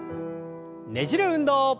ねじる運動。